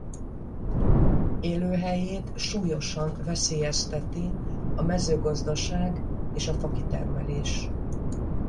Élőhelyét súlyosan veszélyezteti a mezőgazdaság és a fakitermelés.